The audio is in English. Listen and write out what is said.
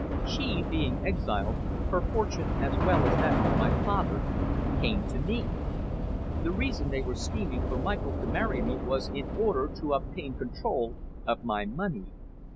She being exiled, her fortune, as well as that of my father, came to me. The reason they were scheming for Michael to marry me was in order to obtain control of my money.